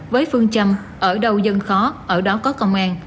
với phương châm ở đâu dân khó ở đó có công an